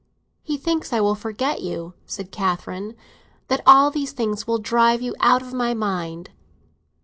"He thinks I will forget you," said Catherine: "that all these things will drive you out of my mind."